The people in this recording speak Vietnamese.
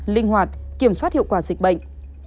linh hoạt kiểm soát hiệu quả dịch bệnh